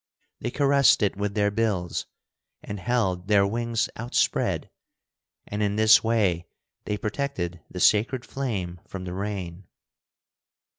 They caressed it with their bills, and held their wings outspread, and in this way they protected the sacred flame from the rain.